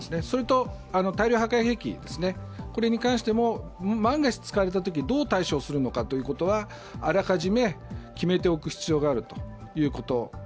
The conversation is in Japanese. それと、大量破壊兵器に関しても、万が一使われたときにどう対処するのかということはあらかじめ決めておく必要があるということ。